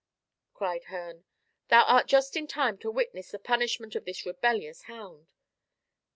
cried Herne; "thou art just in time to witness the punishment of this rebellious hound."